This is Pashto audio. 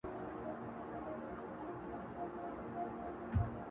• يو ليك؛